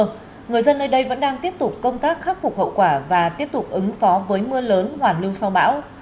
người dân nơi đây vẫn đang tiếp tục công tác khắc phục hậu quả và tiếp tục ứng phó với mưa lớn hoàn lưu sau bão